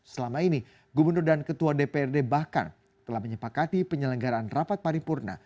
selama ini gubernur dan ketua dprd bahkan telah menyepakati penyelenggaraan rapat paripurna